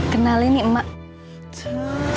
kenalin nih emak